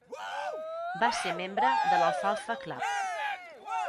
Va ser membre de l'Alfalfa Club.